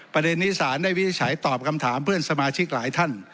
ประเด็นนี้สารได้วินิจฉัยตอบคำถามเพื่อนสมาชิกหลายท่าน